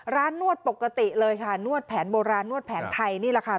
นวดปกติเลยค่ะนวดแผนโบราณนวดแผนไทยนี่แหละค่ะ